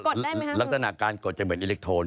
คือลักษณะการกดจะเหมือนอิเล็กโทน